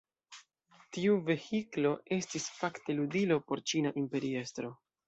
Tiu vehiklo estis fakte ludilo por ĉina imperiestro.